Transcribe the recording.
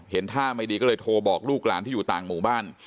ท่าไม่ดีก็เลยโทรบอกลูกหลานที่อยู่ต่างหมู่บ้าน